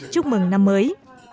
chúc mừng năm mới